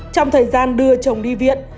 trong thời gian đưa chồng đi viện